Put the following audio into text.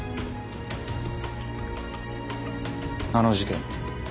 あの事件